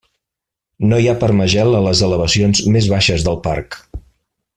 No hi ha permagel a les elevacions més baixes del parc.